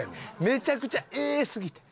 めちゃくちゃ「Ａ」すぎて。